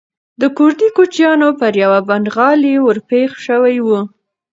د کوردي کوچیانو پر یوه پنډغالي ورپېښ شوی و.